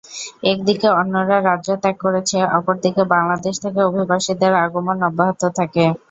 একদিকে অন্যরা রাজ্য ত্যাগ করেছে, অপরদিকে বাংলাদেশ থেকে অভিবাসীদের আগমন অব্যাহত থাকে।